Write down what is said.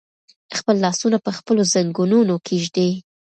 خپل لاسونه په خپلو زنګونونو کېږدئ.